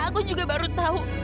aku juga baru tahu